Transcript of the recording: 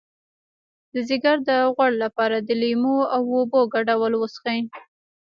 د ځیګر د غوړ لپاره د لیمو او اوبو ګډول وڅښئ